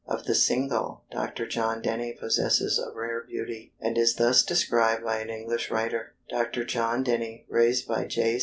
Of the single, Dr. John Denny possesses a rare beauty, and is thus described by an English writer: "Dr. John Denny, raised by J.